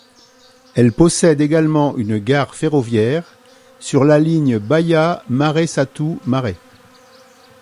Elle possède également une gare ferroviaire sur la ligne Baia Mare-Satu Mare.